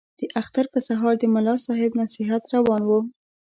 د اختر په سهار د ملا صاحب نصیحت روان وو.